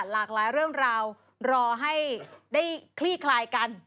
หลากหลายเรื่องราวรอให้ได้คลี่คลายกัน